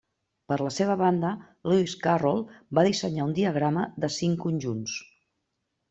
Per la seva banda, Lewis Carroll va dissenyar un diagrama de cinc conjunts.